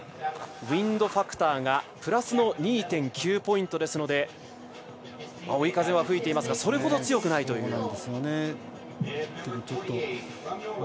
ウインドファクターがプラスの２．９ポイントですので追い風は吹いていますがそれほど吹いていないという。